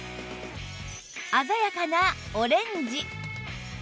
鮮やかなオレンジ